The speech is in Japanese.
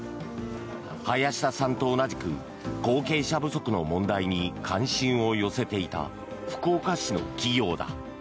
林田さんと同じく後継者不足の問題に関心を寄せていた福岡市の企業だ。